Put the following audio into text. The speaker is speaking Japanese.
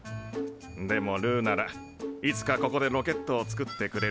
でもルーならいつかここでロケットを作ってくれる。